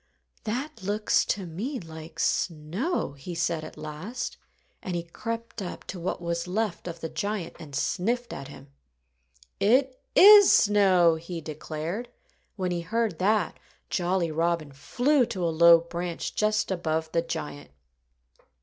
"That looks to me like snow," he said at last. And he crept up to what was left of the giant and sniffed at him. "It is snow!" he declared. When he heard that, Jolly Robin flew to a low branch just above the giant.